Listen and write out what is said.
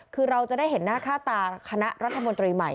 คือเราจะได้เห็นหน้าค่าตาคณะรัฐมนตรีใหม่